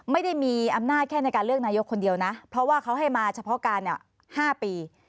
ไม่ได้มีอำนาจแค่ในการเลือกนายกคนเดียวนะเพราะว่าเขาให้มาเฉพาะการ๕ปี